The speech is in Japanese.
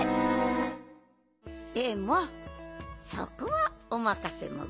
でもそこはおまかせモグ。